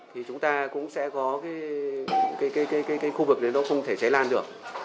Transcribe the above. thì chúng ta cũng sẽ có cái khu vực đấy nó không thể cháy lan được